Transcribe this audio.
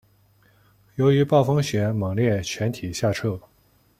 由于暴风雪猛烈全体下撤。